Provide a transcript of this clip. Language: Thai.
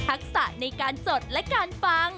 ะในการจดและการฟัง